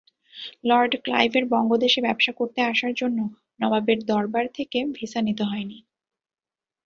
Lord ক্লাইভের বঙ্গদেশে ব্যবসা করতে আসার জন্য নবাবের দরবার থেকে ভিসা নিতে হয়নি।